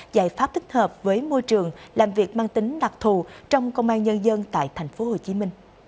giải pháp thích hợp với môi trường làm việc mang tính đặc thù trong công an nhân dân tại tp hcm